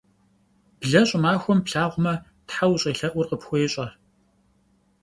Блэ щӏымахуэм плъагъумэ, тхьэ ущӏелъэӏур къыпхуещӏэ.